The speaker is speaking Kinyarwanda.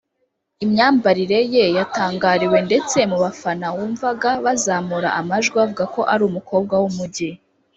Imyambarire ye yatangariwe ndetse mu bafana wumvaga bazamura amajwi bavuga ko ’ari umukobwa w’umujyi’